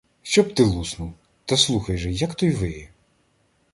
— Щоб ти луснув! Та слухай же, як той виє!